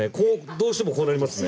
どうしてもこうなりますね。